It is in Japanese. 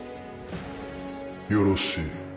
よろしい。